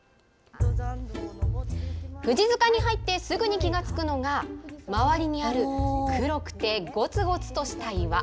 富士塚に入ってすぐに気が付くのが、周りにある黒くてごつごつとした岩。